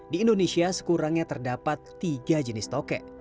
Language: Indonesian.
di indonesia sekurangnya terdapat tiga jenis toke